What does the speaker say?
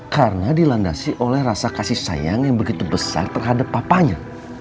karena dilandasi oleh rasa kasih sayang yang begitu besar terhadap papahnya